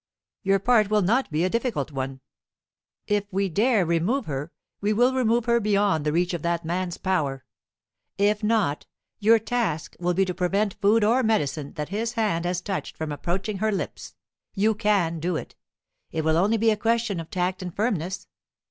Your part will not be a difficult one. If we dare remove her, we will remove her beyond the reach of that man's power. If not, your task will be to prevent food or medicine, that his hand has touched, from approaching her lips. You can do it. It will only be a question of tact and firmness.